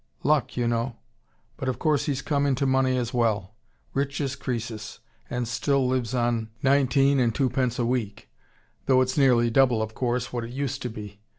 Luck, you know but of course he's come into money as well. Rich as Croesus, and still lives on nineteen and two pence a week. Though it's nearly double, of course, what it used to be.